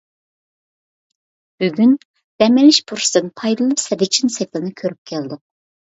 بۈگۈن دەم ئېلىش پۇرسىتىدىن پايدىلىنىپ سەددىچىن سېپىلىنى كۆرۈپ كەلدۇق.